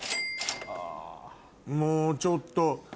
もうちょっと。